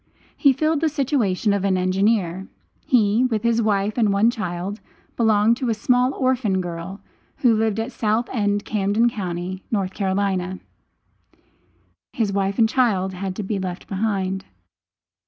He filled the situation of an engineer. He, with his wife and one child, belonged to a small orphan girl, who lived at South End, Camden county, N.C. His wife and child had to be left behind.